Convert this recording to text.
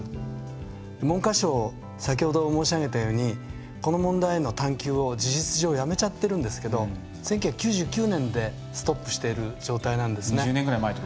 文科省、先ほど申し上げたようにこの問題への探求を事実上やめちゃってるんですけど１９９９年でストップしている状態なんですね。